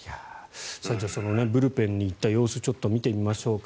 ブルペンに行った様子をちょっと見てみましょうか。